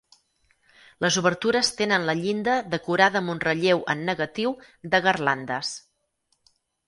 Les obertures tenen la llinda decorada amb un relleu en negatiu de garlandes.